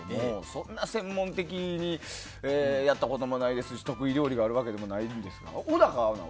そんな専門的にやったこともないですし得意料理があるわけでもないんですが。